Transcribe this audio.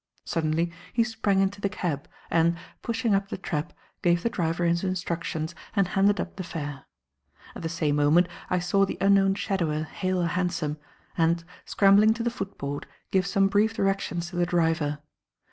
Suddenly he sprang into the cab and, pushing up the trap, gave the driver his instructions and handed up the fare. At the same moment I saw the unknown shadower hail a hansom, and, scrambling to the footboard, give some brief directions to the driver.